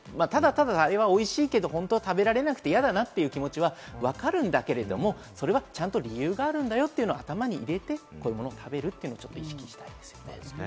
ただただおいしいけれども、本当は食べられなくて嫌だなという気持ちは分かるんだけれども、それはちゃんと理由があるんだよというのを頭に入れて食べるというのを意識したいですね。